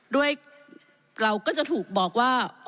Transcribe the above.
ด้วยเราก็จะถูกบอกว่า